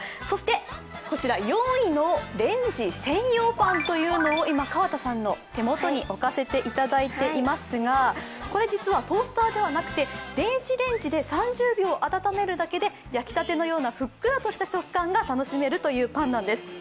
そしてこちら４位のレンジ専用パンというのを、今、河田さんの手元に置かせていただいていますが実はトースターではなくて電子レンジで３０秒温めるだけで焼きたてのようなふっくらとした食感が楽しめるパンなんです。